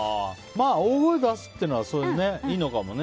大声を出すっていうのはいいのかもね。